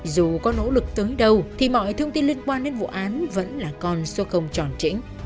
dù có nỗ lực tới đâu thì mọi thông tin liên quan đến vụ án vẫn là còn sô không tròn chỉnh